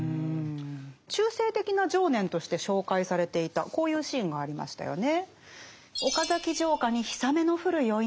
中世的な情念として紹介されていたこういうシーンがありましたよね。